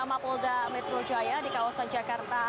mapolda metro jaya di kawasan jakarta